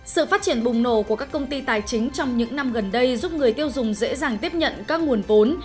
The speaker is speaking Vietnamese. sự phát triển bùng nổ của các công ty tài chính trong những năm gần đây giúp người tiêu dùng dễ dàng tiếp nhận các nguồn vốn